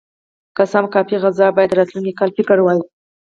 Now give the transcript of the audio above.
که څه هم کافي غذا وه، باید د راتلونکي کال په فکر کې وای.